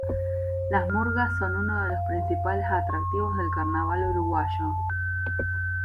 Las murgas son uno de los principales atractivos del carnaval uruguayo.